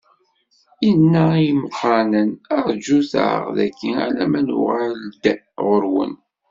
Inna i imeqqranen: Rǧut-aɣ dagi alamma nuɣal-d ɣur-wen.